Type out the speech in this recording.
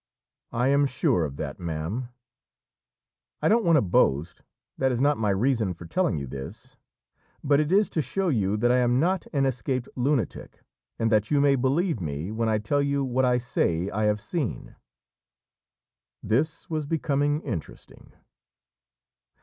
"I am sure of that, ma'am." "I don't want to boast; that is not my reason for telling you this; but it is to show you that I am not an escaped lunatic, and that you may believe me when I tell you what I say I have seen." This was becoming interesting.